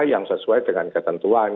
yang sesuai dengan ketentuan